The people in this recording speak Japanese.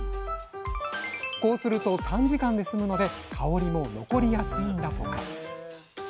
こうすると短時間で済むので香りも残りやすいんだとか。